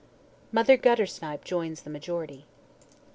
MOTHER GUTTERSNIPE JOINS THE MAJORITY.